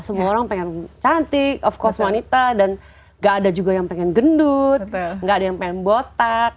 semua orang ingin cantik of course wanita dan tidak ada juga yang ingin gendut tidak ada yang ingin bod